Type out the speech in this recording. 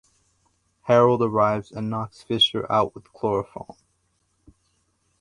Harold arrives and knocks Fisher out with chloroform.